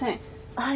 はい。